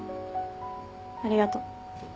ありがとう。